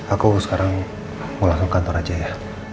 aku sekarang mau langsung kantor aja ya